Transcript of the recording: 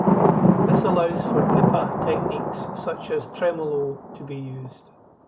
This allows for "pipa" techniques such as tremolo to be used.